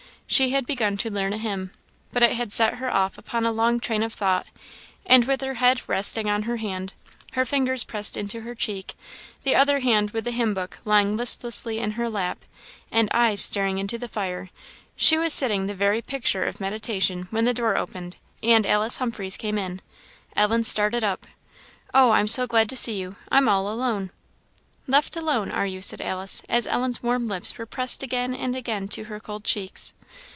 She had begun to learn a hymn; but it had set her off upon a long train of thought; and with her head resting on her hand, her fingers pressed into her cheek, the other hand with the hymn book lying listlessly in her lap, and eyes staring into the fire, she was sitting the very picture of meditation, when the door opened, and Alice Humphreys came in. Ellen started up. "Oh, I'm so glad to see you! I'm all alone." "Left alone, are you?" said Alice, as Ellen's warm lips were pressed again and again to her cold cheeks.